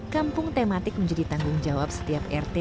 kampung tematik menjadi tanggung jawab setiap rt